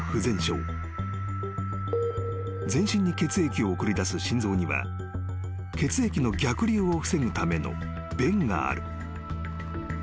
［全身に血液を送り出す心臓には血液の逆流を防ぐための弁がある］